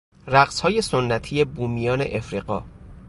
رقصهای سنتی بومیان افریقا